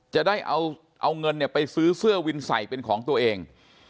จะได้เอาเงินไปซื้อเสื้อวินใส่เป็นของตัวเอง